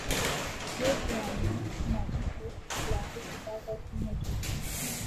یہ بیانیے سماجی اور ابلاغی سطح پر بھی موجود ہیں۔